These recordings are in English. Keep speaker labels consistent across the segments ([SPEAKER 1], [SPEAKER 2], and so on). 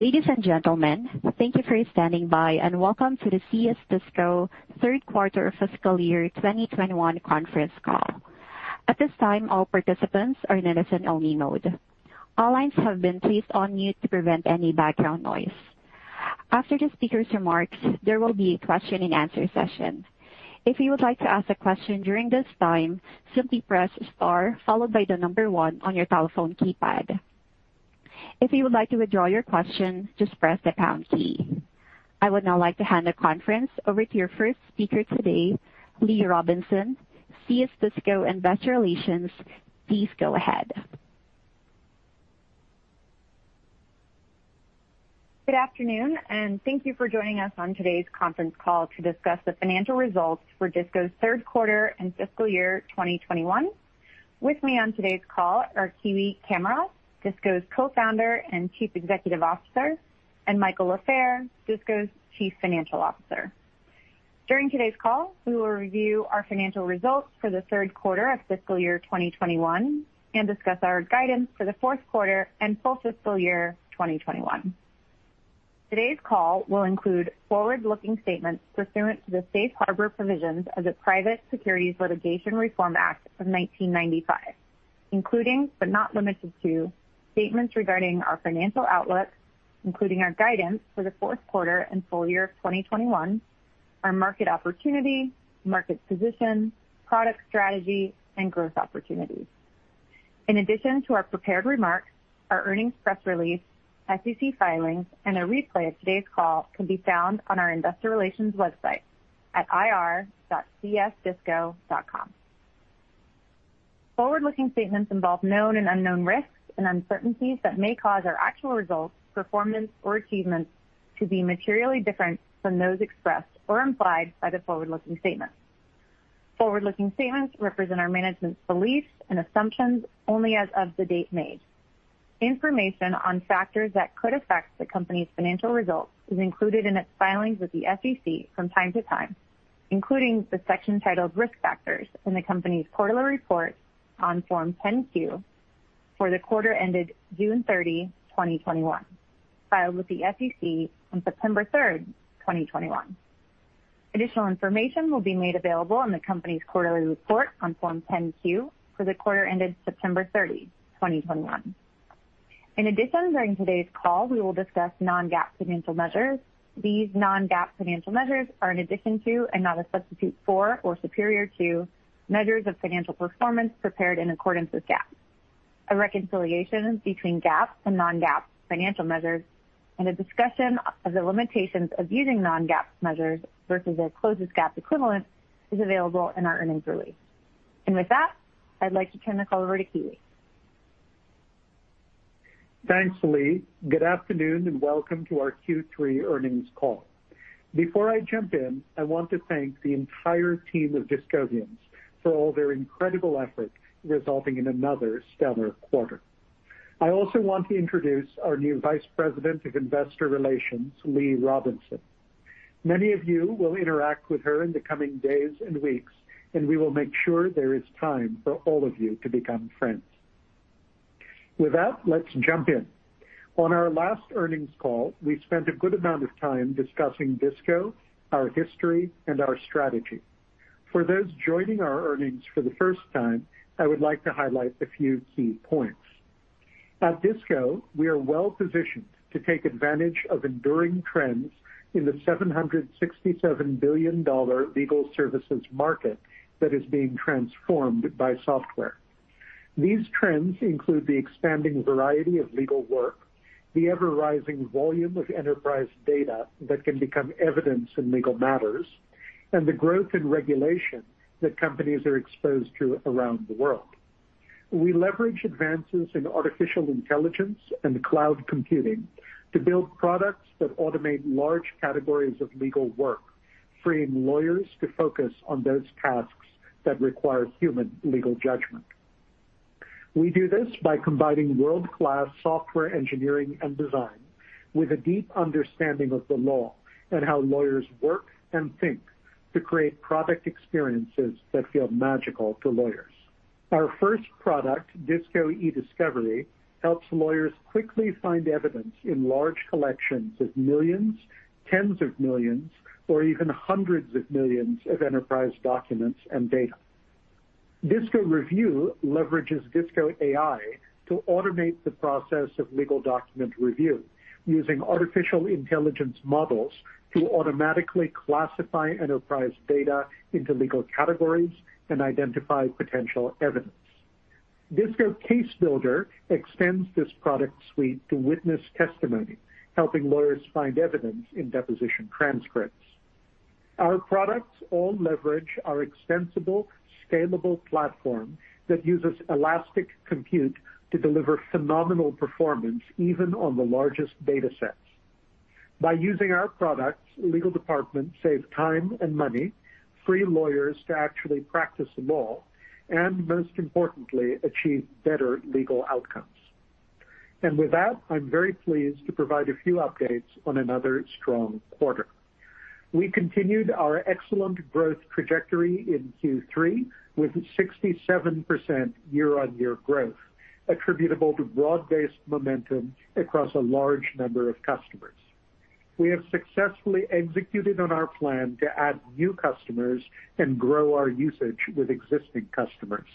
[SPEAKER 1] Ladies and gentlemen, thank you for standing by, and welcome to the CS DISCO third quarter fiscal year 2021 conference call. At this time, all participants are in a listen-only mode. All lines have been placed on mute to prevent any background noise. After the speaker's remarks, there will be a Q&A session. If you would like to ask a question during this time, simply press star followed by the number one on your telephone keypad. If you would like to withdraw your question, just press the pound key. I would now like to hand the conference over to your first speaker today, Lee Robinson, CS DISCO Investor Relations. Please go ahead.
[SPEAKER 2] Good afternoon, and thank you for joining us on today's conference call to discuss the financial results for DISCO's third quarter and fiscal year 2021. With me on today's call are Kiwi Camara, DISCO's Co-Founder and Chief Executive Officer, and Michael Lafair, DISCO's Chief Financial Officer. During today's call, we will review our financial results for the third quarter of fiscal year 2021 and discuss our guidance for the fourth quarter and full fiscal year 2021. Today's call will include forward-looking statements pursuant to the safe harbor provisions of the Private Securities Litigation Reform Act of 1995, including, but not limited to, statements regarding our financial outlook, including our guidance for the fourth quarter and full year of 2021, our market opportunity, market position, product strategy, and growth opportunities. In addition to our prepared remarks, our earnings press release, SEC filings, and a replay of today's call can be found on our investor relations website at ir.csDISCO.com. Forward-looking statements involve known and unknown risks and uncertainties that may cause our actual results, performance or achievements to be materially different from those expressed or implied by the forward-looking statements. Forward-looking statements represent our management's beliefs and assumptions only as of the date made. Information on factors that could affect the company's financial results is included in its filings with the SEC from time to time, including the section titled Risk Factors in the company's quarterly report on Form 10-Q for the quarter ended June 30, 2021, filed with the SEC on September 3rd, 2021. Additional information will be made available in the company's quarterly report on Form 10-Q for the quarter ended September 30, 2021. In addition, during today's call, we will discuss non-GAAP financial measures. These non-GAAP financial measures are in addition to and not a substitute for or superior to measures of financial performance prepared in accordance with GAAP. A reconciliation between GAAP and non-GAAP financial measures and a discussion of the limitations of using non-GAAP measures versus their closest GAAP equivalent is available in our earnings release. With that, I'd like to turn the call over to Kiwi.
[SPEAKER 3] Thanks, Lee. Good afternoon, and welcome to our Q3 earnings call. Before I jump in, I want to thank the entire team of DISCOvians for all their incredible effort resulting in another stellar quarter. I also want to introduce our new Vice President of Investor Relations, Lee Robinson. Many of you will interact with her in the coming days and weeks, and we will make sure there is time for all of you to become friends. With that, let's jump in. On our last earnings call, we spent a good amount of time discussing DISCO, our history, and our strategy. For those joining our earnings for the first time, I would like to highlight a few key points. At DISCO, we are well-positioned to take advantage of enduring trends in the $767 billion legal services market that is being transformed by software. These trends include the expanding variety of legal work, the ever-rising volume of enterprise data that can become evidence in legal matters, and the growth in regulation that companies are exposed to around the world. We leverage advances in artificial intelligence and cloud computing to build products that automate large categories of legal work, freeing lawyers to focus on those tasks that require human legal judgment. We do this by combining world-class software engineering and design with a deep understanding of the law and how lawyers work and think to create product experiences that feel magical to lawyers. Our first product, DISCO Ediscovery, helps lawyers quickly find evidence in large collections of millions, tens of millions, or even hundreds of millions of enterprise documents and data. DISCO Review leverages DISCO AI to automate the process of legal document review using artificial intelligence models to automatically classify enterprise data into legal categories and identify potential evidence. DISCO Case Builder extends this product suite to witness testimony, helping lawyers find evidence in deposition transcripts. Our products all leverage our extensible, scalable platform that uses elastic compute to deliver phenomenal performance even on the largest datasets. By using our products, legal departments save time and money, free lawyers to actually practice law, and most importantly, achieve better legal outcomes. With that, I'm very pleased to provide a few updates on another strong quarter. We continued our excellent growth trajectory in Q3 with 67% year-on-year growth attributable to broad-based momentum across a large number of customers. We have successfully executed on our plan to add new customers and grow our usage with existing customers.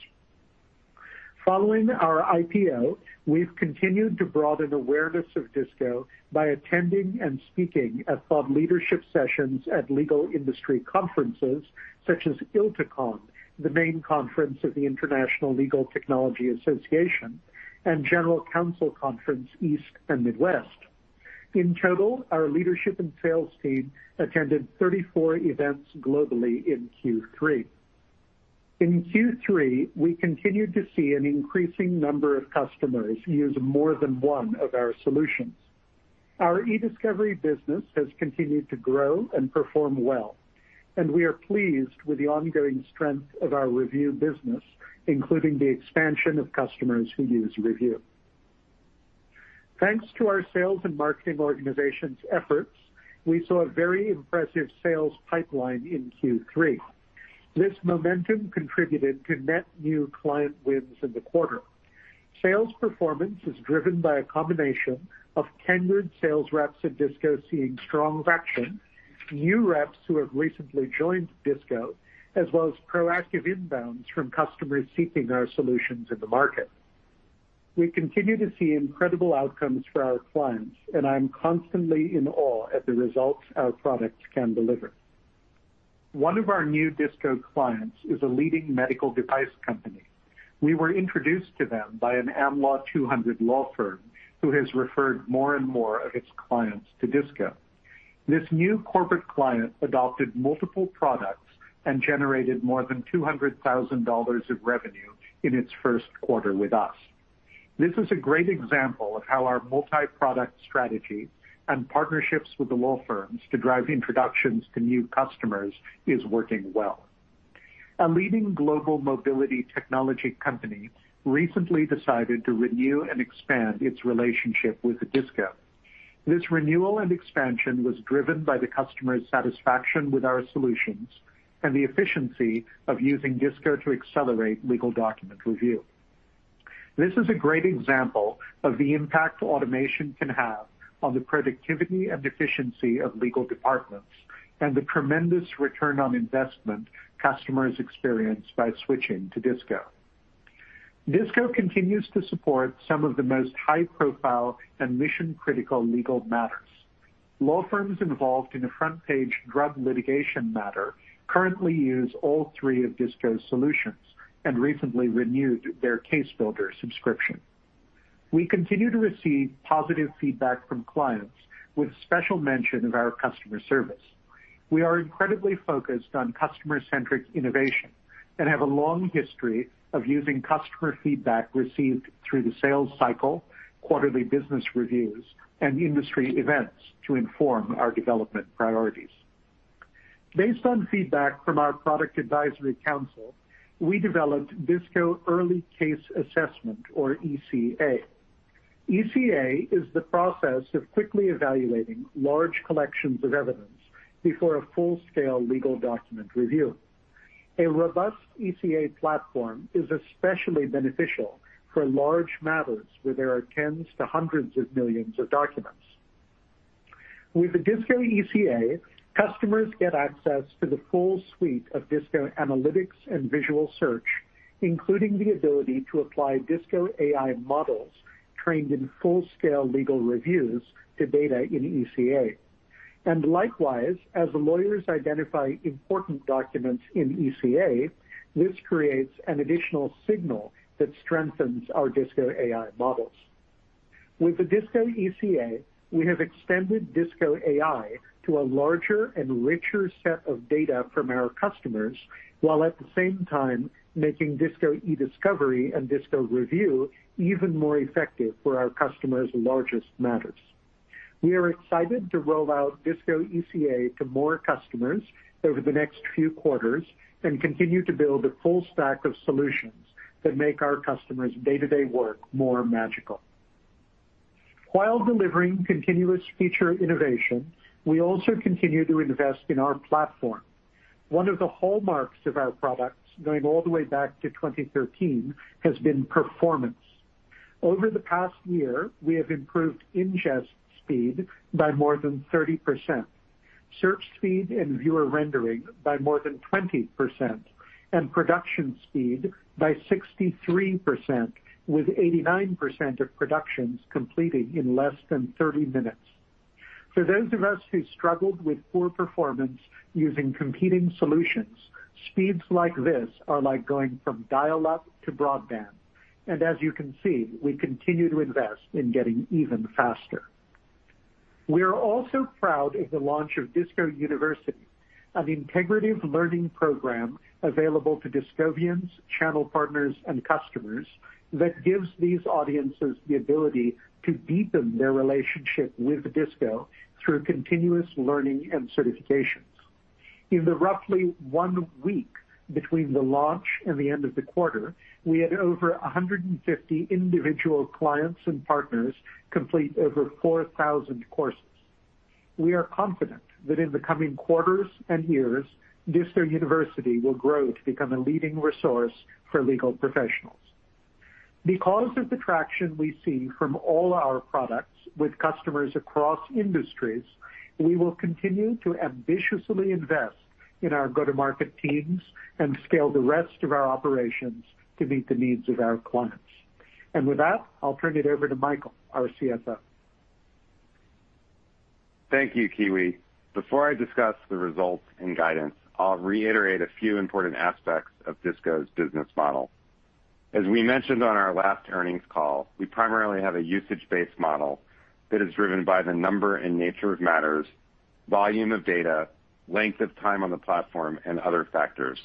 [SPEAKER 3] Following our IPO, we've continued to broaden awareness of DISCO by attending and speaking at thought leadership sessions at legal industry conferences such as ILTACON, the main conference of the International Legal Technology Association, and General Counsel Conference East and Midwest. In total, our leadership and sales team attended 34 events globally in Q3. In Q3, we continued to see an increasing number of customers use more than one of our solutions. Our Ediscovery business has continued to grow and perform well, and we are pleased with the ongoing strength of our review business, including the expansion of customers who use review. Thanks to our sales and marketing organization's efforts, we saw a very impressive sales pipeline in Q3. This momentum contributed to net new client wins in the quarter. Sales performance is driven by a combination of tenured sales reps at DISCO seeing strong traction, new reps who have recently joined DISCO, as well as proactive inbounds from customers seeking our solutions in the market. We continue to see incredible outcomes for our clients, and I am constantly in awe at the results our products can deliver. One of our new DISCO clients is a leading medical device company. We were introduced to them by an Am Law 200 law firm who has referred more and more of its clients to DISCO. This new corporate client adopted multiple products and generated more than $200,000 of revenue in its first quarter with us. This is a great example of how our multi-product strategy and partnerships with the law firms to drive introductions to new customers is working well. A leading global mobility technology company recently decided to renew and expand its relationship with DISCO. This renewal and expansion was driven by the customer's satisfaction with our solutions and the efficiency of using DISCO to accelerate legal document review. This is a great example of the impact automation can have on the productivity and efficiency of legal departments and the tremendous return on investment customers experience by switching to DISCO. DISCO continues to support some of the most high-profile and mission-critical legal matters. Law firms involved in a front-page drug litigation matter currently use all three of DISCO's solutions and recently renewed their DISCO Case Builder subscription. We continue to receive positive feedback from clients with special mention of our customer service. We are incredibly focused on customer-centric innovation and have a long history of using customer feedback received through the sales cycle, quarterly business reviews, and industry events to inform our development priorities. Based on feedback from our product advisory council, we developed DISCO Early Case Assessment, or ECA. ECA is the process of quickly evaluating large collections of evidence before a full-scale legal document review. A robust ECA platform is especially beneficial for large matters where there are tens to hundreds of millions of documents. With the DISCO ECA, customers get access to the full suite of DISCO analytics and visual search, including the ability to apply DISCO AI models trained in full-scale legal reviews to data in ECA. Likewise, as lawyers identify important documents in ECA, this creates an additional signal that strengthens our DISCO AI models. With the DISCO ECA, we have extended DISCO AI to a larger and richer set of data from our customers, while at the same time making DISCO Ediscovery and DISCO Review even more effective for our customers' largest matters. We are excited to roll out DISCO ECA to more customers over the next few quarters and continue to build a full stack of solutions that make our customers' day-to-day work more magical. While delivering continuous feature innovation, we also continue to invest in our platform. One of the hallmarks of our products, going all the way back to 2013, has been performance. Over the past year, we have improved ingest speed by more than 30%, search speed and viewer rendering by more than 20%, and production speed by 63%, with 89% of productions completing in less than 30 minutes. For those of us who struggled with poor performance using competing solutions, speeds like this are like going from dial-up to broadband. As you can see, we continue to invest in getting even faster. We are also proud of the launch of DISCO University, an integrative learning program available to Discovians, channel partners, and customers that gives these audiences the ability to deepen their relationship with DISCO through continuous learning and certifications. In the roughly one week between the launch and the end of the quarter, we had over 150 individual clients and partners complete over 4,000 courses. We are confident that in the coming quarters and years, DISCO University will grow to become a leading resource for legal professionals. Because of the traction we see from all our products with customers across industries, we will continue to ambitiously invest in our go-to-market teams and scale the rest of our operations to meet the needs of our clients. With that, I'll turn it over to Michael, our CFO.
[SPEAKER 4] Thank you, Kiwi. Before I discuss the results and guidance, I'll reiterate a few important aspects of DISCO's business model. As we mentioned on our last earnings call, we primarily have a usage-based model that is driven by the number and nature of matters, volume of data, length of time on the platform, and other factors.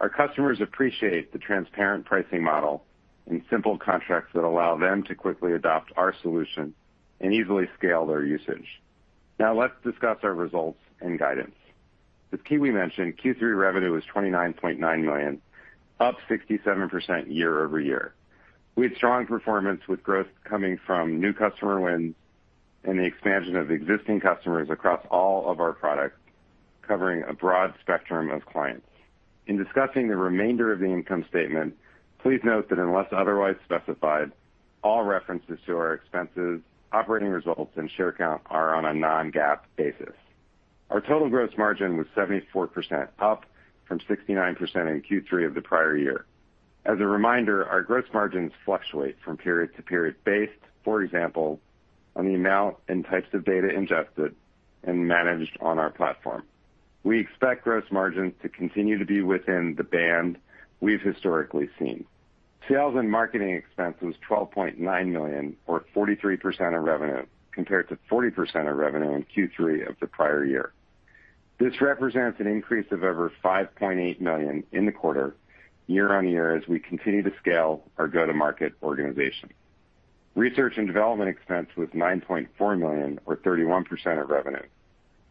[SPEAKER 4] Our customers appreciate the transparent pricing model and simple contracts that allow them to quickly adopt our solution and easily scale their usage. Now let's discuss our results and guidance. As Kiwi mentioned, Q3 revenue was $29.9 million, up 67% year-over-year. We had strong performance with growth coming from new customer wins and the expansion of existing customers across all of our products, covering a broad spectrum of clients. In discussing the remainder of the income statement, please note that unless otherwise specified, all references to our expenses, operating results, and share count are on a non-GAAP basis. Our total gross margin was 74%, up from 69% in Q3 of the prior year. As a reminder, our gross margins fluctuate from period to period based, for example, on the amount and types of data ingested and managed on our platform. We expect gross margins to continue to be within the band we've historically seen. Sales and marketing expense was $12.9 million or 43% of revenue, compared to 40% of revenue in Q3 of the prior year. This represents an increase of over $5.8 million in the quarter year-over-year as we continue to scale our go-to-market organization. Research and development expense was $9.4 million or 31% of revenue,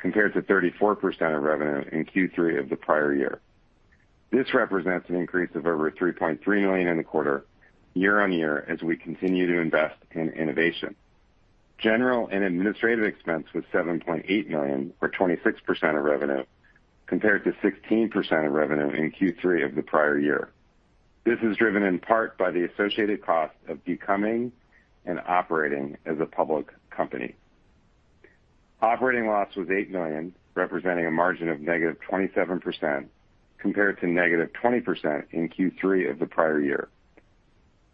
[SPEAKER 4] compared to 34% of revenue in Q3 of the prior year. This represents an increase of over $3.3 million in the quarter year-over-year as we continue to invest in innovation. General and administrative expense was $7.8 million or 26% of revenue, compared to 16% of revenue in Q3 of the prior year. This is driven in part by the associated cost of becoming and operating as a public company. Operating loss was $8 million, representing a margin of -27% compared to -20% in Q3 of the prior year.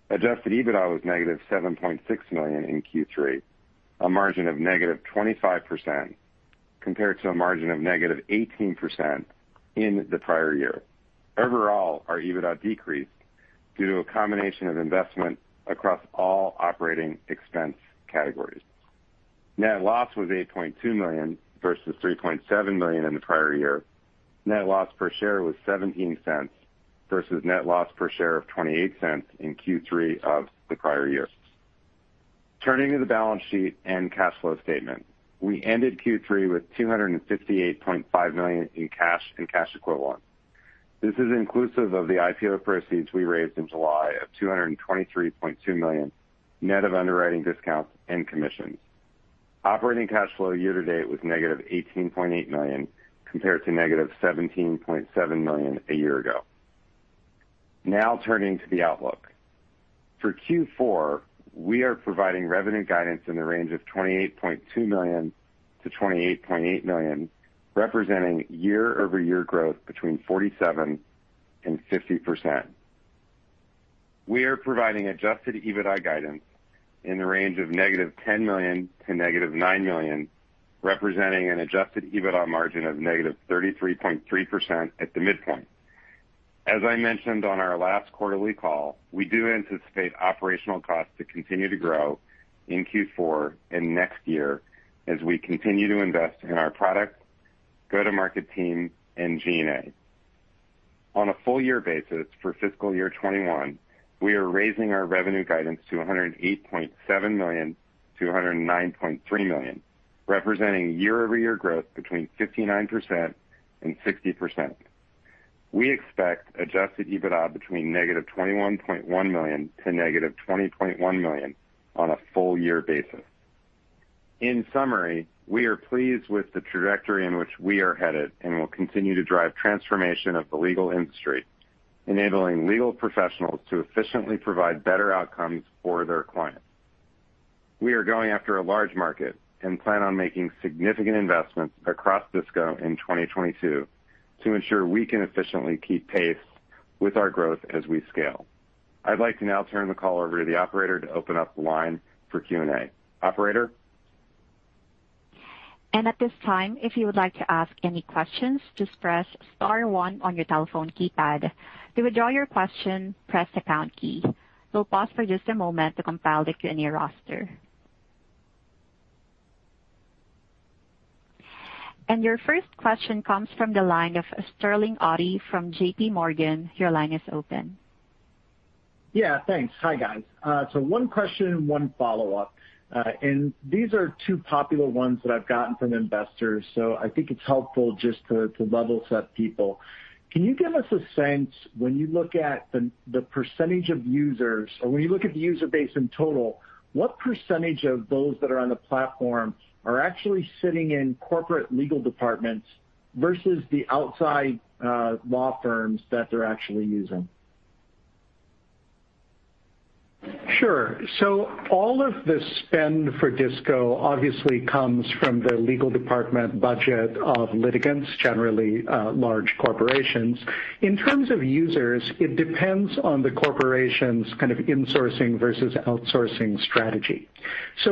[SPEAKER 4] Adjusted EBITDA was -$7.6 million in Q3, a margin of -25% compared to a margin of -18% in the prior year. Overall, our EBITDA decreased due to a combination of investment across all operating expense categories. Net loss was $8.2 million versus $3.7 million in the prior year. Net loss per share was $0.17 versus net loss per share of $0.28 in Q3 of the prior year. Turning to the balance sheet and cash flow statement. We ended Q3 with $258.5 million in cash and cash equivalents. This is inclusive of the IPO proceeds we raised in July of $223.2 million, net of underwriting discounts and commissions. Operating cash flow year to date was -$18.8 million, compared to -$17.7 million a year ago. Now turning to the outlook. For Q4, we are providing revenue guidance in the range of $28.2 million-$28.8 million, representing year-over-year growth between 47% and 50%. We are providing adjusted EBITDA guidance in the range of -$10 million to -$9 million, representing an adjusted EBITDA margin of -33.3% at the midpoint. As I mentioned on our last quarterly call, we do anticipate operational costs to continue to grow in Q4 and next year as we continue to invest in our product, go-to-market team, and G&A. On a full year basis for fiscal year 2021, we are raising our revenue guidance to $108.7 million-$109.3 million, representing year-over-year growth between 59% and 60%. We expect adjusted EBITDA between -$21.1 million and -$20.1 million on a full year basis. In summary, we are pleased with the trajectory in which we are headed and will continue to drive transformation of the legal industry, enabling legal professionals to efficiently provide better outcomes for their clients. We are going after a large market and plan on making significant investments across DISCO in 2022 to ensure we can efficiently keep pace with our growth as we scale. I'd like to now turn the call over to the operator to open up the line for Q&A. Operator?
[SPEAKER 1] At this time, if you would like to ask any questions, just press star one on your telephone keypad. To withdraw your question, press the pound key. We'll pause for just a moment to compile the Q&A roster. Your first question comes from the line of Sterling Auty from JPMorgan. Your line is open.
[SPEAKER 5] Yeah, thanks. Hi, guys. So one question, one follow-up. These are two popular ones that I've gotten from investors, so I think it's helpful just to level set people. Can you give us a sense when you look at the percentage of users or when you look at the user base in total, what percentage of those that are on the platform are actually sitting in corporate legal departments versus the outside law firms that they're actually using?
[SPEAKER 3] Sure. All of the spend for DISCO obviously comes from the legal department budget of litigants, generally, large corporations. In terms of users, it depends on the corporation's kind of insourcing versus outsourcing strategy.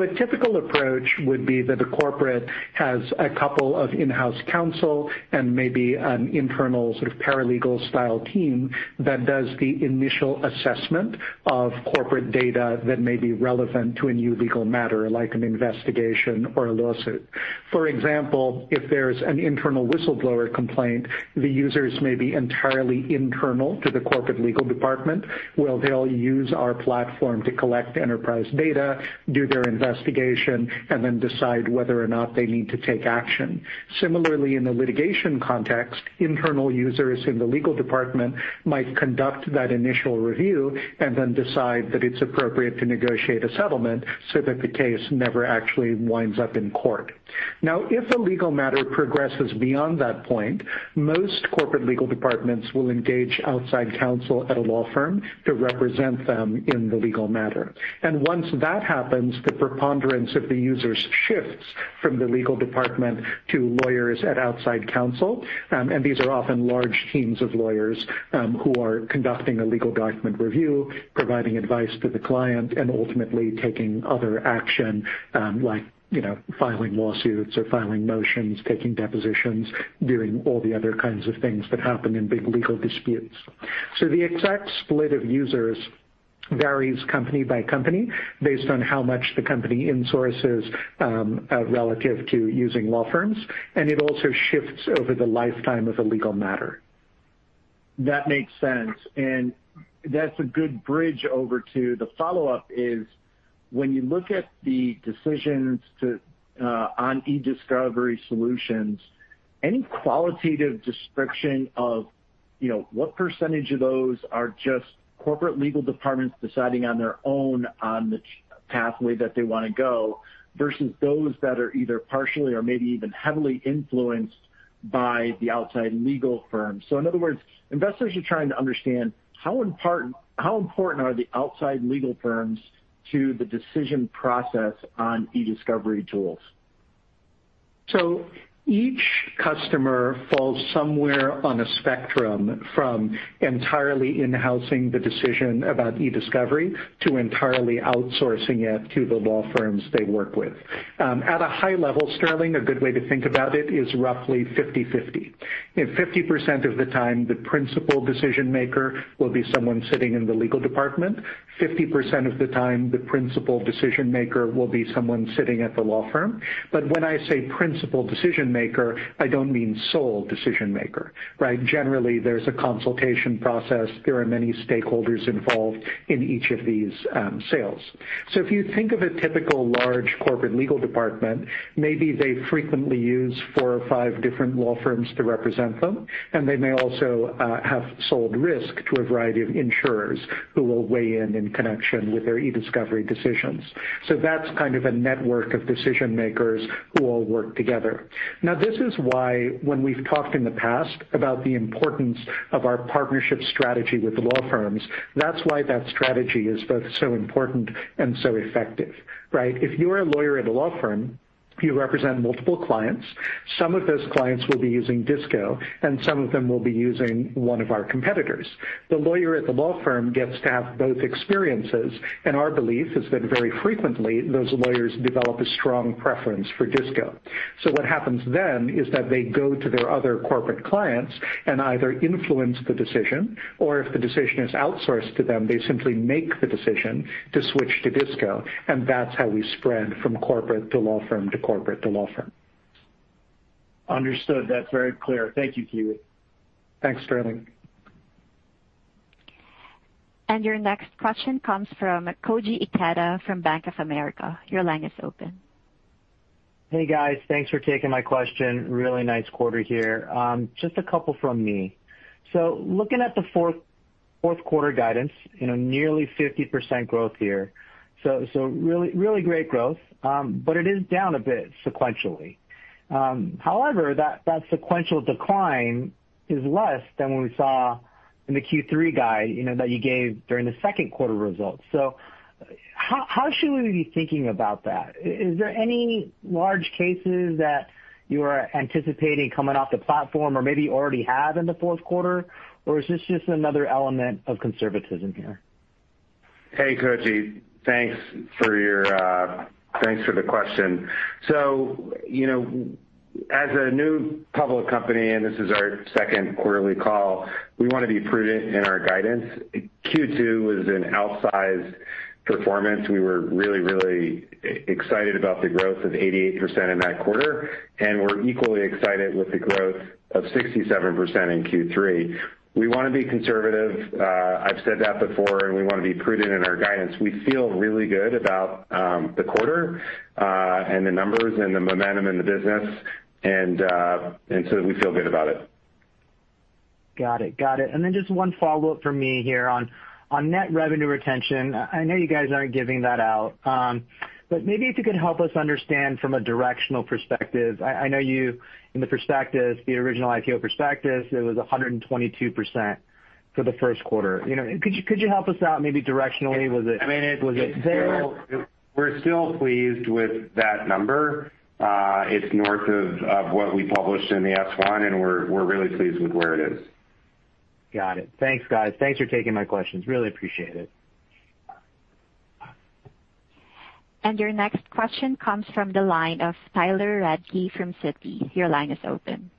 [SPEAKER 3] A typical approach would be that the corporate has a couple of in-house counsel and maybe an internal sort of paralegal-style team that does the initial assessment of corporate data that may be relevant to a new legal matter, like an investigation or a lawsuit. For example, if there's an internal whistleblower complaint, the users may be entirely internal to the corporate legal department, where they'll use our platform to collect enterprise data, do their investigation, and then decide whether or not they need to take action. Similarly, in the litigation context, internal users in the legal department might conduct that initial review and then decide that it's appropriate to negotiate a settlement so that the case never actually winds up in court. Now, if a legal matter progresses beyond that point, most corporate legal departments will engage outside counsel at a law firm to represent them in the legal matter. Once that happens, the preponderance of the users shifts from the legal department to lawyers at outside counsel. These are often large teams of lawyers who are conducting a legal document review, providing advice to the client, and ultimately taking other action, like, you know, filing lawsuits or filing motions, taking depositions, doing all the other kinds of things that happen in big legal disputes. The exact split of users varies company by company based on how much the company insources, relative to using law firms, and it also shifts over the lifetime of a legal matter.
[SPEAKER 5] That makes sense, and that's a good bridge over to the follow-up is when you look at the decisions on e-Discovery solutions, any qualitative description of, you know, what percentage of those are just corporate legal departments deciding on their own on the pathway that they wanna go versus those that are either partially or maybe even heavily influenced by the outside legal firm. In other words, investors are trying to understand how important are the outside legal firms to the decision process on e-Discovery tools?
[SPEAKER 3] Each customer falls somewhere on a spectrum from entirely in-housing the decision about e-Discovery to entirely outsourcing it to the law firms they work with. At a high level, Sterling, a good way to think about it is roughly 50/50. You know, 50% of the time, the principal decision-maker will be someone sitting in the legal department. 50% of the time, the principal decision-maker will be someone sitting at the law firm. But when I say principal decision-maker, I don't mean sole decision-maker, right? Generally, there's a consultation process. There are many stakeholders involved in each of these sales. If you think of a typical large corporate legal department, maybe they frequently use four or five different law firms to represent them, and they may also have sold risk to a variety of insurers who will weigh in in connection with their e-Discovery decisions. That's kind of a network of decision-makers who all work together. Now, this is why when we've talked in the past about the importance of our partnership strategy with law firms, that's why that strategy is both so important and so effective, right? If you're a lawyer at a law firm, you represent multiple clients. Some of those clients will be using DISCO, and some of them will be using one of our competitors. The lawyer at the law firm gets to have both experiences, and our belief is that very frequently, those lawyers develop a strong preference for DISCO. What happens then is that they go to their other corporate clients and either influence the decision or if the decision is outsourced to them, they simply make the decision to switch to DISCO, and that's how we spread from corporate to law firm to corporate to law firm.
[SPEAKER 5] Understood. That's very clear. Thank you, Kiwi.
[SPEAKER 3] Thanks, Sterling.
[SPEAKER 1] Your next question comes from Koji Ikeda from Bank of America. Your line is open.
[SPEAKER 6] Hey, guys. Thanks for taking my question. Really nice quarter here. Just a couple from me. Looking at the fourth quarter guidance, you know, nearly 50% growth here, so really great growth, but it is down a bit sequentially. However, that sequential decline is less than what we saw in the Q3 guide, you know, that you gave during the second quarter results. How should we be thinking about that? Is there any large cases that you are anticipating coming off the platform or maybe already have in the fourth quarter? Or is this just another element of conservatism here?
[SPEAKER 3] Hey, Koji. Thanks for the question. You know, as a new public company, and this is our second quarterly call, we wanna be prudent in our guidance. Q2 was an outsized performance. We were really excited about the growth of 88% in that quarter, and we're equally excited with the growth of 67% in Q3. We wanna be conservative. I've said that before, and we wanna be prudent in our guidance. We feel really good about the quarter and the numbers and the momentum in the business, and so we feel good about it.
[SPEAKER 6] Got it. Then just one follow-up from me here on net revenue retention. I know you guys aren't giving that out, but maybe if you could help us understand from a directional perspective. I know in the prospectus, the original IPO prospectus, it was 122% for the first quarter. You know, could you help us out maybe directionally? Was it
[SPEAKER 3] I mean.
[SPEAKER 6] Was it 0?
[SPEAKER 3] We're still pleased with that number. It's north of what we published in the S-1, and we're really pleased with where it is.
[SPEAKER 6] Got it. Thanks, guys. Thanks for taking my questions. Really appreciate it.
[SPEAKER 1] Your next question comes from the line of Tyler Radke from Citi. Your line is open.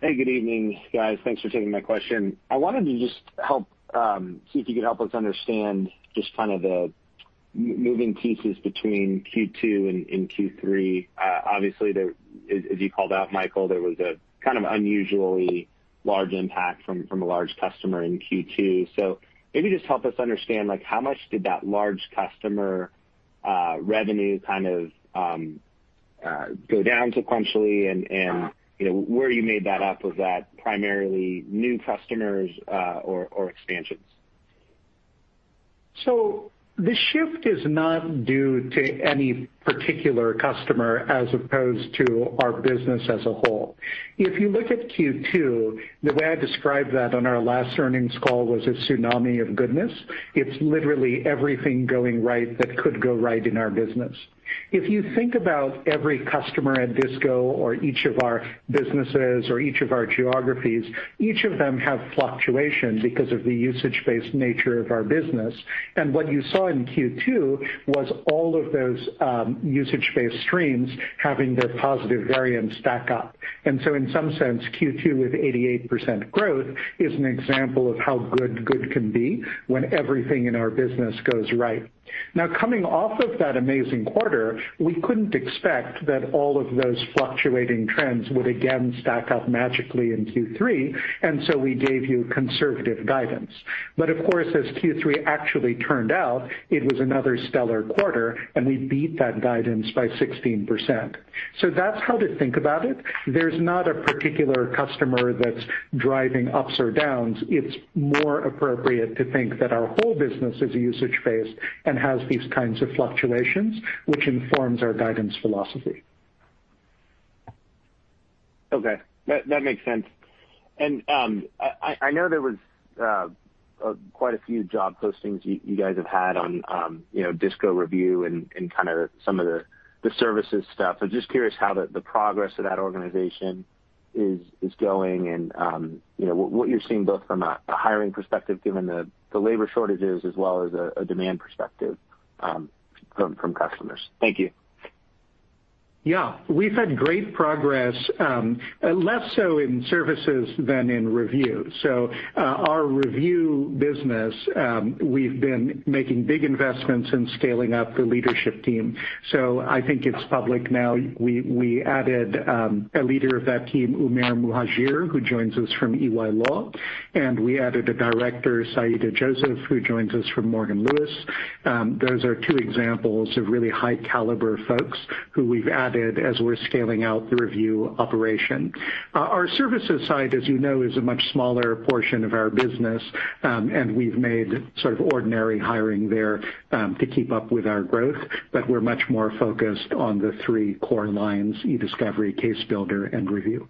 [SPEAKER 7] Hey, good evening, guys. Thanks for taking my question. I wanted to just help see if you could help us understand just kind of the moving pieces between Q2 and Q3. Obviously, as you called out, Michael, there was a kind of unusually large impact from a large customer in Q2. Maybe just help us understand, like how much did that large customer revenue kind of go down sequentially and, you know, where you made that up, was that primarily new customers or expansions?
[SPEAKER 3] The shift is not due to any particular customer as opposed to our business as a whole. If you look at Q2, the way I described that on our last earnings call was a tsunami of goodness. It's literally everything going right that could go right in our business. If you think about every customer at DISCO or each of our businesses or each of our geographies, each of them have fluctuation because of the usage-based nature of our business. What you saw in Q2 was all of those, usage-based streams having their positive variance stack up. In some sense, Q2 with 88% growth is an example of how good good can be when everything in our business goes right. Now, coming off of that amazing quarter, we couldn't expect that all of those fluctuating trends would again stack up magically in Q3. We gave you conservative guidance. Of course, as Q3 actually turned out, it was another stellar quarter, and we beat that guidance by 16%. That's how to think about it. There's not a particular customer that's driving ups or downs. It's more appropriate to think that our whole business is usage-based and has these kinds of fluctuations, which informs our guidance philosophy.
[SPEAKER 7] Okay. That makes sense. I know there was quite a few job postings you guys have had on, you know, DISCO Review and kinda some of the services stuff. Just curious how the progress of that organization is going and, you know, what you're seeing both from a hiring perspective, given the labor shortages as well as a demand perspective, from customers. Thank you.
[SPEAKER 3] Yeah. We've had great progress, less so in services than in review. Our review business, we've been making big investments in scaling up the leadership team. I think it's public now. We added a leader of that team, Umair Muhajir, who joins us from EY Law, and we added a director, Sa'ida Joseph, who joins us from Morgan Lewis. Those are two examples of really high caliber folks who we've added as we're scaling out the review operation. Our services side, as you know, is a much smaller portion of our business, and we've made sort of ordinary hiring there, to keep up with our growth. We're much more focused on the three core lines: e-Discovery, Case Builder and Review.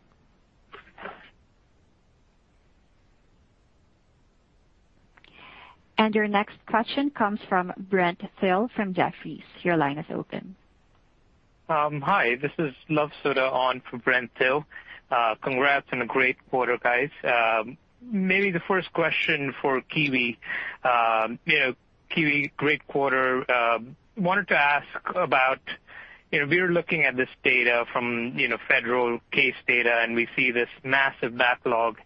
[SPEAKER 1] Your next question comes from Brent Thill from Jefferies. Your line is open.
[SPEAKER 8] Hi. This is Luv Sodha on for Brent Thill. Congrats on a great quarter, guys. Maybe the first question for Kiwi. You know, Kiwi, great quarter. Wanted to ask about, you know, we're looking at this data from, you know, federal case data, and we see this massive backlog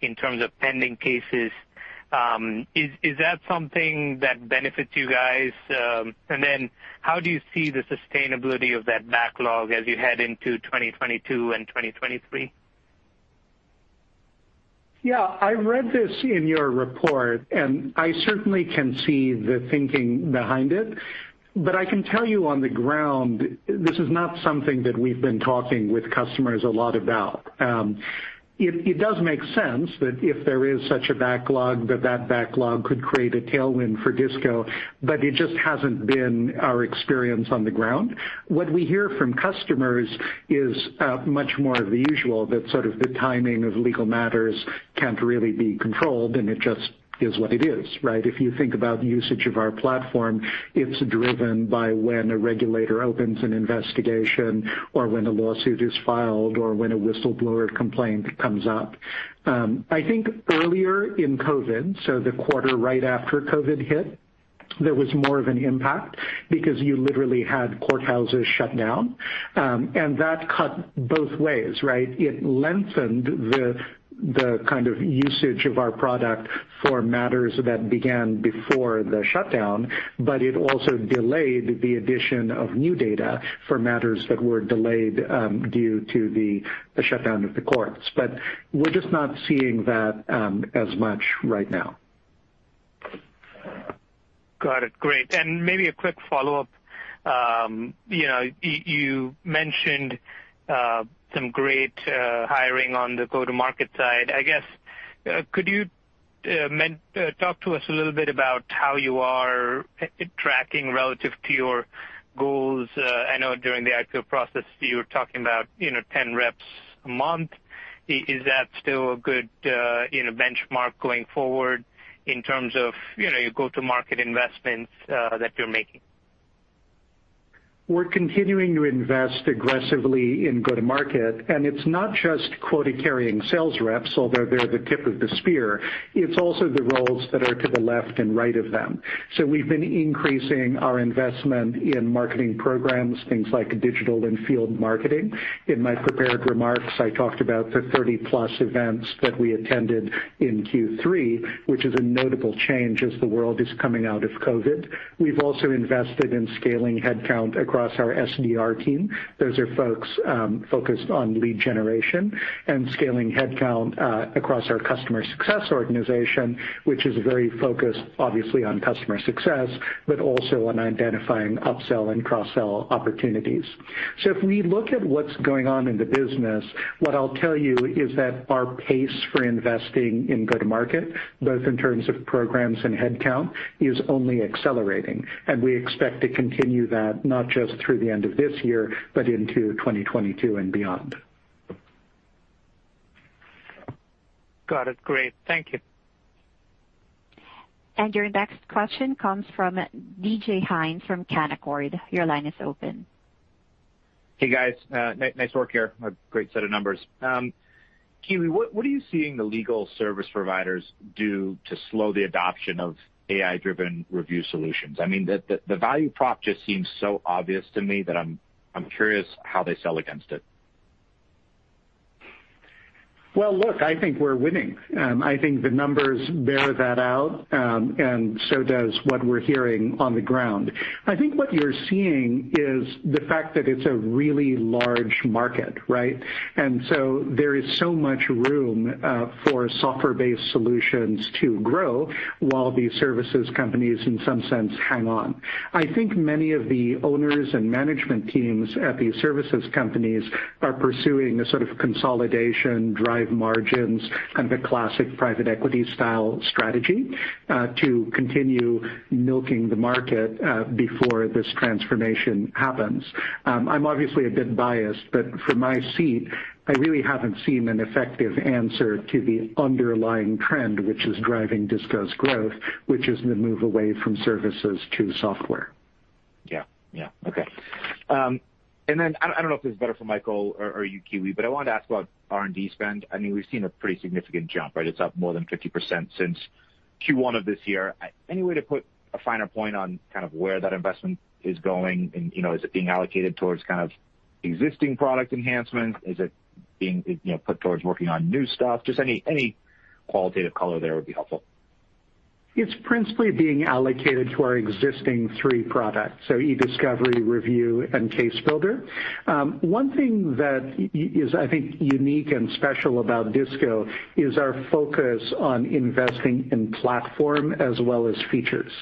[SPEAKER 8] in terms of pending cases. Is that something that benefits you guys? How do you see the sustainability of that backlog as you head into 2022 and 2023?
[SPEAKER 3] Yeah, I read this in your report, and I certainly can see the thinking behind it. I can tell you on the ground, this is not something that we've been talking with customers a lot about. It does make sense that if there is such a backlog, that backlog could create a tailwind for DISCO, but it just hasn't been our experience on the ground. What we hear from customers is much more of the usual, that sort of the timing of legal matters can't really be controlled, and it just is what it is, right? If you think about usage of our platform, it's driven by when a regulator opens an investigation or when a lawsuit is filed or when a whistleblower complaint comes up. I think earlier in COVID, so the quarter right after COVID hit. There was more of an impact because you literally had courthouses shut down, and that cut both ways, right? It lengthened the kind of usage of our product for matters that began before the shutdown, but it also delayed the addition of new data for matters that were delayed due to the shutdown of the courts. We're just not seeing that as much right now.
[SPEAKER 8] Got it. Great. Maybe a quick follow-up. You know, you mentioned some great hiring on the go-to-market side. I guess, could you talk to us a little bit about how you are tracking relative to your goals? I know during the IPO process, you were talking about, you know, 10 reps a month. Is that still a good, you know, benchmark going forward in terms of, you know, your go-to-market investments that you're making?
[SPEAKER 3] We're continuing to invest aggressively in go-to-market, and it's not just quota-carrying sales reps, although they're the tip of the spear. It's also the roles that are to the left and right of them. We've been increasing our investment in marketing programs, things like digital and field marketing. In my prepared remarks, I talked about the 30+ events that we attended in Q3, which is a notable change as the world is coming out of COVID. We've also invested in scaling headcount across our SDR team. Those are folks focused on lead generation and scaling headcount across our customer success organization, which is very focused, obviously, on customer success, but also on identifying upsell and cross-sell opportunities. If we look at what's going on in the business, what I'll tell you is that our pace for investing in go-to-market, both in terms of programs and headcount, is only accelerating. We expect to continue that not just through the end of this year, but into 2022 and beyond.
[SPEAKER 8] Got it. Great. Thank you.
[SPEAKER 1] Your next question comes from David Hynes from Canaccord. Your line is open.
[SPEAKER 9] Hey, guys, nice work here. A great set of numbers. Kiwi, what are you seeing the legal service providers do to slow the adoption of AI-driven review solutions? I mean, the value prop just seems so obvious to me that I'm curious how they sell against it.
[SPEAKER 3] Well, look, I think we're winning. I think the numbers bear that out, and so does what we're hearing on the ground. I think what you're seeing is the fact that it's a really large market, right? There is so much room for software-based solutions to grow while these services companies in some sense hang on. I think many of the owners and management teams at these services companies are pursuing a sort of consolidation, drive margins, kind of a classic private equity style strategy to continue milking the market before this transformation happens. I'm obviously a bit biased, but from my seat, I really haven't seen an effective answer to the underlying trend, which is driving DISCO's growth, which is the move away from services to software.
[SPEAKER 9] Yeah. Okay. I don't know if this is better for Michael or you, Kiwi, but I wanted to ask about R&D spend. I mean, we've seen a pretty significant jump, right? It's up more than 50% since Q1 of this year. Any way to put a finer point on kind of where that investment is going? You know, is it being allocated towards kind of existing product enhancements? Is it being, you know, put towards working on new stuff? Just any qualitative color there would be helpful.
[SPEAKER 3] It's principally being allocated to our existing three products, so e-Discovery, Review, and Case Builder. One thing that is, I think, unique and special about DISCO is our focus on investing in platform as well as features.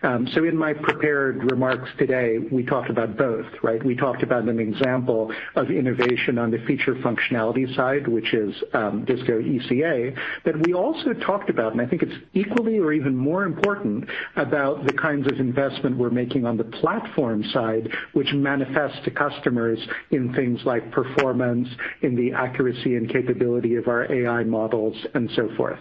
[SPEAKER 3] In my prepared remarks today, we talked about both, right? We talked about an example of innovation on the feature functionality side, which is DISCO ECA. We also talked about, and I think it's equally or even more important, about the kinds of investment we're making on the platform side, which manifests to customers in things like performance, in the accuracy and capability of our AI models, and so forth.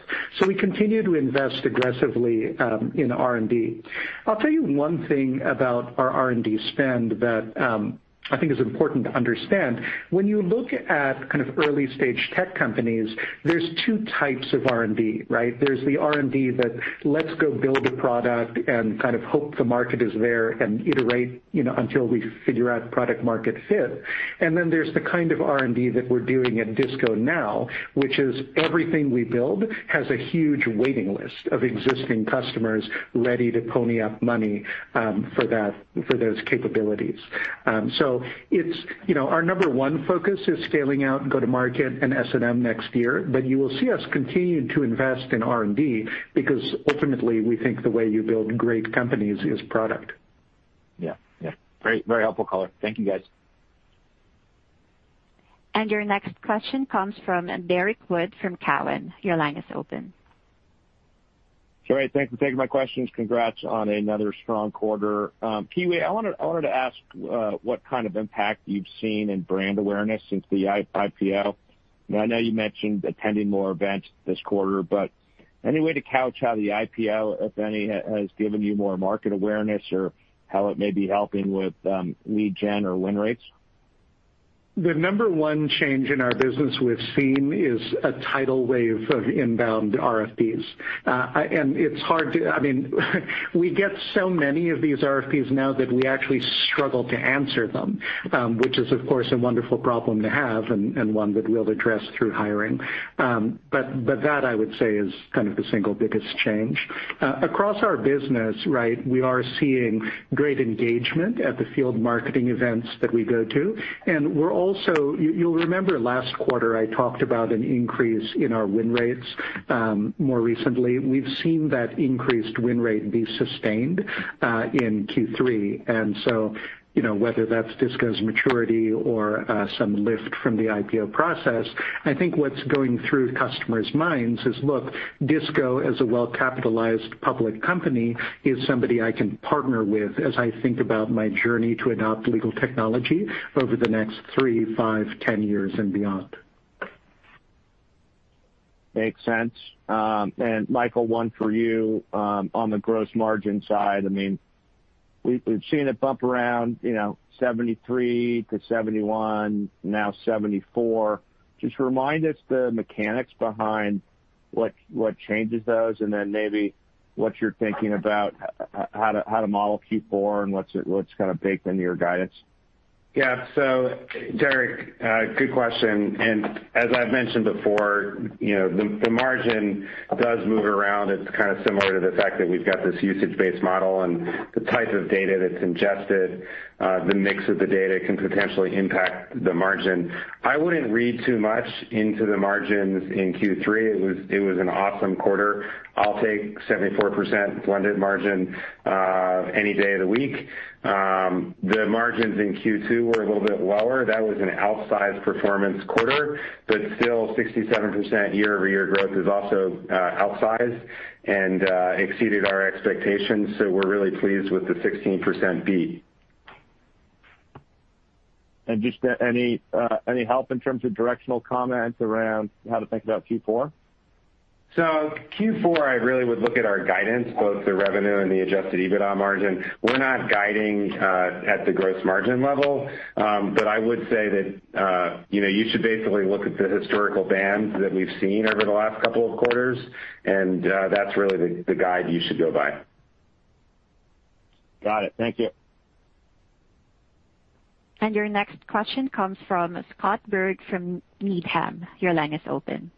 [SPEAKER 3] We continue to invest aggressively in R&D. I'll tell you one thing about our R&D spend that I think is important to understand. When you look at kind of early-stage tech companies, there's two types of R&D, right? There's the R&D that let's go build a product and kind of hope the market is there and iterate, you know, until we figure out product market fit. There's the kind of R&D that we're doing at DISCO now, which is everything we build has a huge waiting list of existing customers ready to pony up money for that, for those capabilities. It's, you know, our number one focus is scaling out and go-to-market and S&M next year, but you will see us continue to invest in R&D because ultimately, we think the way you build great companies is product.
[SPEAKER 9] Yeah. Yeah. Great. Very helpful color. Thank you, guys.
[SPEAKER 1] Your next question comes from Derrick Wood from Cowen. Your line is open.
[SPEAKER 10] Great. Thanks for taking my questions. Congrats on another strong quarter. Kiwi, I wanted to ask what kind of impact you've seen in brand awareness since the IPO. I know you mentioned attending more events this quarter, but any way to couch how the IPO, if any, has given you more market awareness or how it may be helping with lead gen or win rates?
[SPEAKER 3] The number one change in our business we've seen is a tidal wave of inbound RFPs. It's hard to. I mean, we get so many of these RFPs now that we actually struggle to answer them, which is, of course, a wonderful problem to have and one that we'll address through hiring. But that, I would say, is kind of the single biggest change. Across our business, right, we are seeing great engagement at the field marketing events that we go to. We're also. You'll remember last quarter I talked about an increase in our win rates. More recently, we've seen that increased win rate be sustained in Q3. You know, whether that's DISCO's maturity or some lift from the IPO process, I think what's going through customers' minds is, "Look, DISCO, as a well-capitalized public company, is somebody I can partner with as I think about my journey to adopt legal technology over the next three, five, 10 years and beyond.
[SPEAKER 10] Makes sense. Michael, one for you, on the gross margin side. I mean, we've seen it bump around, you know, 73% to 71%, now 74%. Just remind us the mechanics behind what changes those and then maybe what you're thinking about how to model Q4 and what's kinda baked into your guidance.
[SPEAKER 4] Yeah. Derek, good question. As I've mentioned before, you know, the margin does move around. It's kinda similar to the fact that we've got this usage-based model and the type of data that's ingested, the mix of the data can potentially impact the margin. I wouldn't read too much into the margins in Q3. It was an awesome quarter. I'll take 74% blended margin any day of the week. The margins in Q2 were a little bit lower. That was an outsized performance quarter, but still 67% year-over-year growth is also outsized and exceeded our expectations. We're really pleased with the 16% beat.
[SPEAKER 10] Just any help in terms of directional comments around how to think about Q4?
[SPEAKER 4] Q4, I really would look at our guidance, both the revenue and the adjusted EBITDA margin. We're not guiding at the gross margin level. I would say that you know, you should basically look at the historical bands that we've seen over the last couple of quarters, and that's really the guide you should go by.
[SPEAKER 10] Got it. Thank you.
[SPEAKER 1] Your next question comes from Scott Berg from Needham. Your line is open.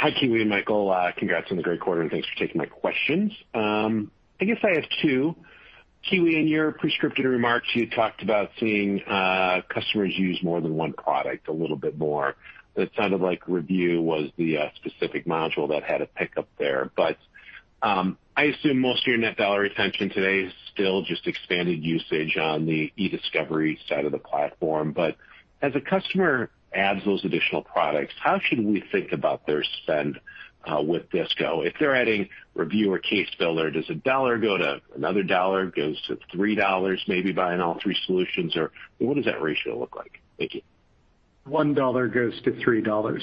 [SPEAKER 11] Hi, Kiwi and Michael. Congrats on the great quarter, and thanks for taking my questions. I guess I have two. Kiwi, in your pre-scripted remarks, you talked about seeing customers use more than one product a little bit more. It sounded like Review was the specific module that had a pickup there. I assume most of your net dollar retention today is still just expanded usage on the e-Discovery side of the platform. As a customer adds those additional products, how should we think about their spend with DISCO? If they're adding Review or CaseBuilder, does a dollar go to another dollar, goes to three dollars maybe buying all three solutions? Or what does that ratio look like? Thank you.
[SPEAKER 3] $1 goes to $3.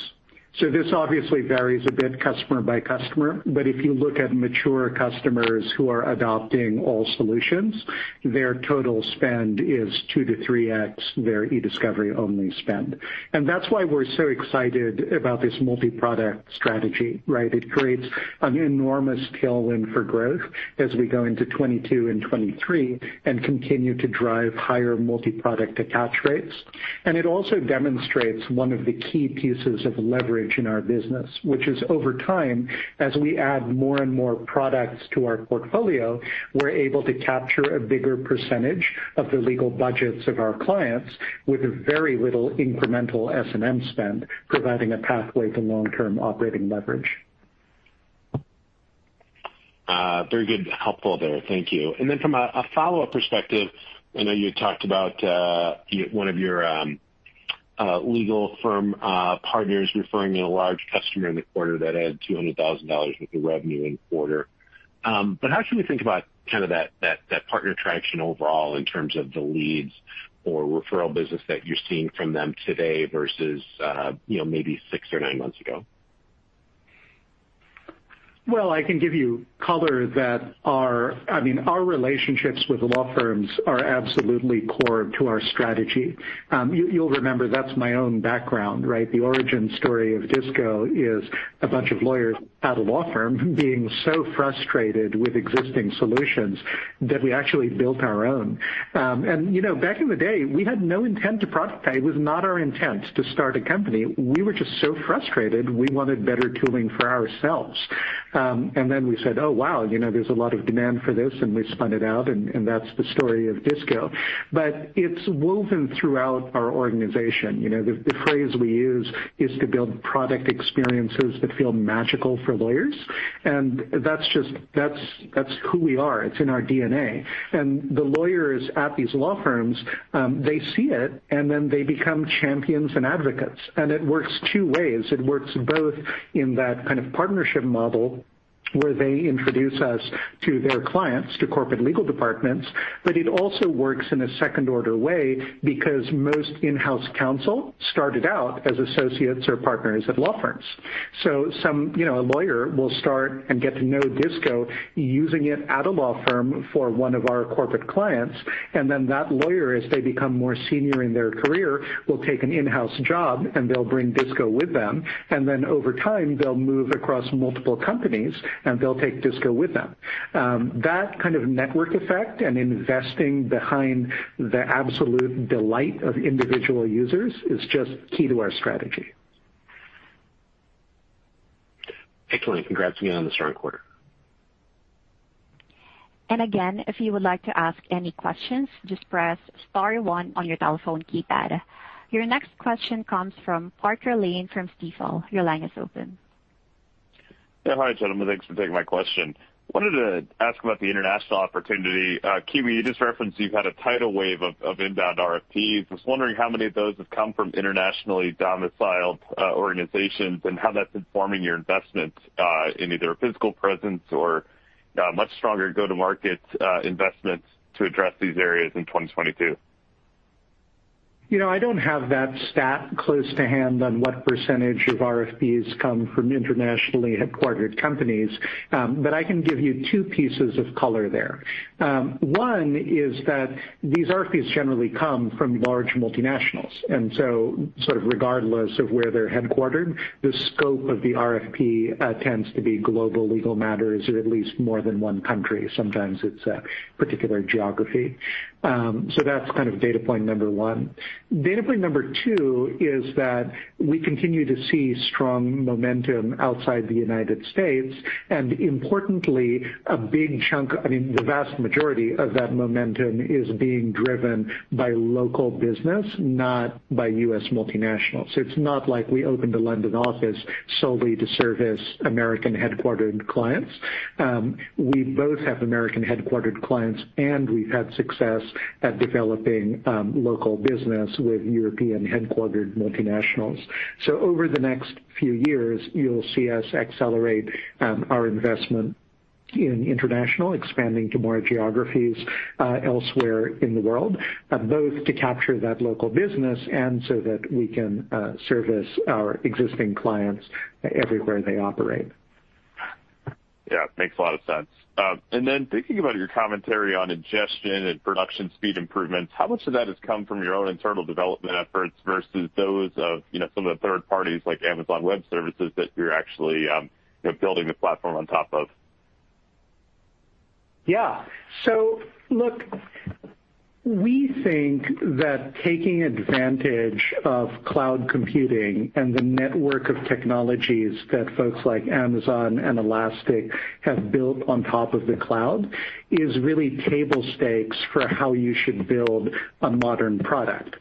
[SPEAKER 3] This obviously varies a bit customer by customer, but if you look at mature customers who are adopting all solutions, their total spend is 2-3x their e-Discovery-only spend. That's why we're so excited about this multi-product strategy, right? It creates an enormous tailwind for growth as we go into 2022 and 2023 and continue to drive higher multi-product attach rates. It also demonstrates one of the key pieces of leverage in our business, which is over time, as we add more and more products to our portfolio, we're able to capture a bigger percentage of the legal budgets of our clients with very little incremental S&M spend, providing a pathway to long-term operating leverage.
[SPEAKER 11] Very good. Helpful there. Thank you. From a follow-up perspective, I know you talked about one of your legal firm partners referring a large customer in the quarter that had $200,000 worth of revenue in the quarter. How should we think about that partner traction overall in terms of the leads or referral business that you're seeing from them today versus, you know, maybe six or nine months ago?
[SPEAKER 3] Well, I can give you color that our—I mean, our relationships with law firms are absolutely core to our strategy. You'll remember that's my own background, right? The origin story of DISCO is a bunch of lawyers at a law firm being so frustrated with existing solutions that we actually built our own. You know, back in the day, we had no intent to profit. It was not our intent to start a company. We were just so frustrated, we wanted better tooling for ourselves. Then we said, "Oh, wow, you know, there's a lot of demand for this," and we spun it out, and that's the story of DISCO. But it's woven throughout our organization. You know, the phrase we use is to build product experiences that feel magical for lawyers, and that's who we are. It's in our DNA. The lawyers at these law firms, they see it, and then they become champions and advocates. It works two ways. It works both in that kind of partnership model, where they introduce us to their clients, to corporate legal departments, but it also works in a second-order way because most in-house counsel started out as associates or partners at law firms. Some, you know, a lawyer will start and get to know DISCO using it at a law firm for one of our corporate clients, and then that lawyer, as they become more senior in their career, will take an in-house job, and they'll bring DISCO with them. Over time, they'll move across multiple companies, and they'll take DISCO with them. That kind of network effect and investing behind the absolute delight of individual users is just key to our strategy.
[SPEAKER 11] Excellent. Congrats again on the strong quarter.
[SPEAKER 1] Again, if you would like to ask any questions, just press star one on your telephone keypad. Your next question comes from Parker Lane from Stifel. Your line is open.
[SPEAKER 12] Yeah. Hi, gentlemen. Thanks for taking my question. Wanted to ask about the international opportunity. Kiwi, you just referenced you've had a tidal wave of inbound RFPs. I was wondering how many of those have come from internationally domiciled organizations, and how that's informing your investment in either physical presence or much stronger go-to-market investments to address these areas in 2022.
[SPEAKER 3] You know, I don't have that stat close to hand on what percentage of RFPs come from internationally headquartered companies, but I can give you two pieces of color there. One is that these RFPs generally come from large multinationals, and so sort of regardless of where they're headquartered, the scope of the RFP tends to be global legal matters or at least more than one country. Sometimes it's a particular geography. That's kind of data point number one. Data point number two is that we continue to see strong momentum outside the United States, and importantly, a big chunk, I mean, the vast majority of that momentum is being driven by local business, not by U.S. multinationals. It's not like we opened a London office solely to service American headquartered clients. We both have American headquartered clients, and we've had success at developing local business with European headquartered multinationals. Over the next few years, you'll see us accelerate our investment in international, expanding to more geographies elsewhere in the world both to capture that local business and so that we can service our existing clients everywhere they operate.
[SPEAKER 12] Yeah, makes a lot of sense. Thinking about your commentary on ingestion and production speed improvements, how much of that has come from your own internal development efforts versus those of, you know, some of the third parties like Amazon Web Services that you're actually, you know, building the platform on top of?
[SPEAKER 3] Yeah. Look, we think that taking advantage of cloud computing and the network of technologies that folks like Amazon and Elastic have built on top of the cloud is really table stakes for how you should build a modern product.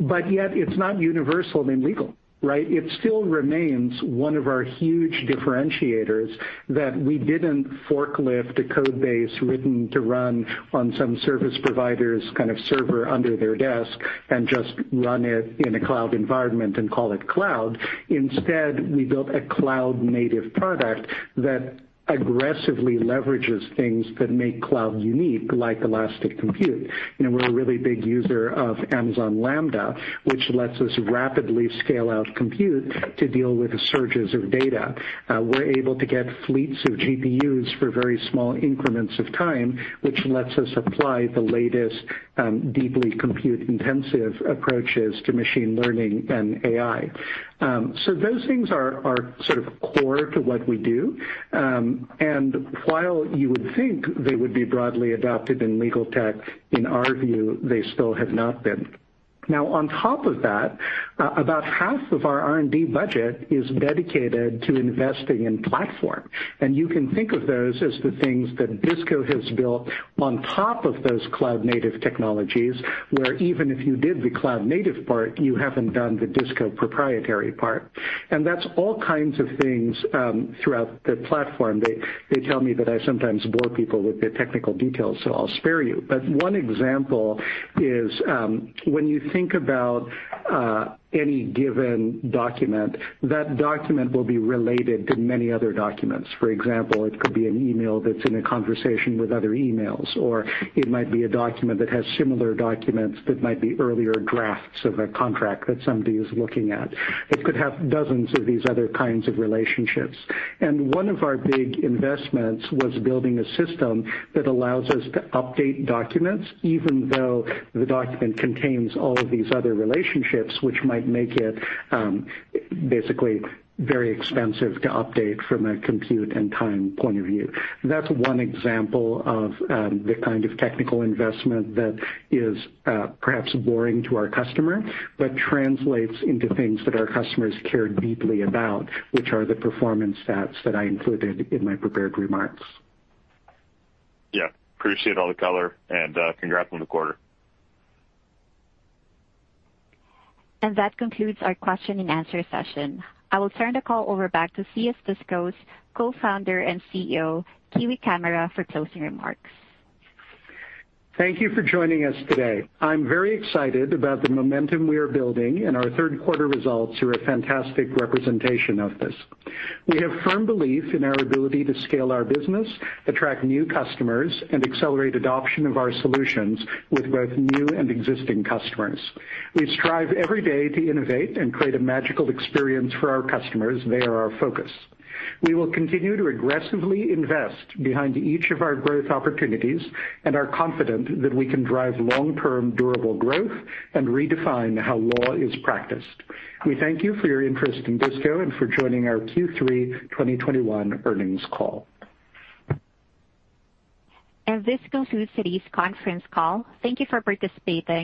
[SPEAKER 3] Yet it's not universal in legal, right? It still remains one of our huge differentiators that we didn't forklift a code base written to run on some service provider's kind of server under their desk and just run it in a cloud environment and call it cloud. Instead, we built a cloud native product that aggressively leverages things that make cloud unique, like elastic compute. You know, we're a really big user of AWS Lambda, which lets us rapidly scale out compute to deal with surges of data. We're able to get fleets of GPUs for very small increments of time, which lets us apply the latest, deeply compute-intensive approaches to machine learning and AI. Those things are sort of core to what we do. While you would think they would be broadly adopted in legal tech, in our view, they still have not been. Now, on top of that, about half of our R&D budget is dedicated to investing in platform. You can think of those as the things that DISCO has built on top of those cloud native technologies, where even if you did the cloud native part, you haven't done the DISCO proprietary part. That's all kinds of things throughout the platform. They tell me that I sometimes bore people with the technical details, so I'll spare you. One example is, when you think about, any given document, that document will be related to many other documents. For example, it could be an email that's in a conversation with other emails, or it might be a document that has similar documents that might be earlier drafts of a contract that somebody is looking at. It could have dozens of these other kinds of relationships. One of our big investments was building a system that allows us to update documents even though the document contains all of these other relationships, which might make it, basically very expensive to update from a compute and time point of view. That's one example of the kind of technical investment that is perhaps boring to our customer, but translates into things that our customers care deeply about, which are the performance stats that I included in my prepared remarks.
[SPEAKER 12] Yeah. Appreciate all the color, and congrats on the quarter.
[SPEAKER 1] That concludes our Q&A session. I will turn the call over back to CS DISCO's Co-Founder and CEO, Kiwi Camara, for closing remarks.
[SPEAKER 3] Thank you for joining us today. I'm very excited about the momentum we are building, and our third quarter results are a fantastic representation of this. We have firm belief in our ability to scale our business, attract new customers, and accelerate adoption of our solutions with both new and existing customers. We strive every day to innovate and create a magical experience for our customers. They are our focus. We will continue to aggressively invest behind each of our growth opportunities and are confident that we can drive long-term durable growth and redefine how law is practiced. We thank you for your interest in DISCO and for joining our Q3 2021 earnings call.
[SPEAKER 1] As this concludes today's conference call, thank you for participating.